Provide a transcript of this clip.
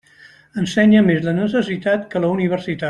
Ensenya més la necessitat que la universitat.